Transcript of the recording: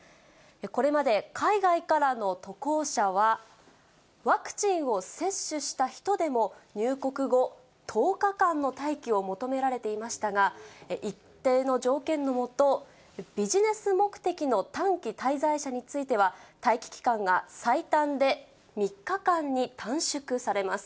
これまで海外からの渡航者は、ワクチンを接種した人でも、入国後、１０日間の待機を求められていましたが、一定の条件の下、ビジネス目的の短期滞在者については、待機期間が最短で３日間に短縮されます。